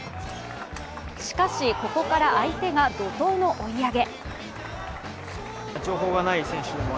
しかし、ここから相手が怒とうの追い上げ。